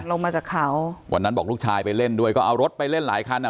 ลงมาจากเขาวันนั้นบอกลูกชายไปเล่นด้วยก็เอารถไปเล่นหลายคันอ่ะ